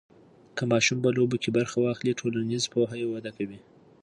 که ماشوم په لوبو کې برخه واخلي، ټولنیز پوهه یې وده کوي.